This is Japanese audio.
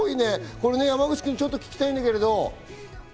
山口君、ちょっと聞きたいんだけど。